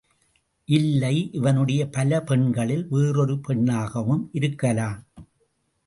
இல்லை இவனுடைய பல பெண்களில் வேறொரு பெண்ணாகவும் இருக்கலாம்.